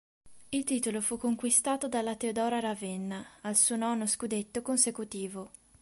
Il titolo fu conquistato dalla Teodora Ravenna, al suo nono scudetto consecutivo.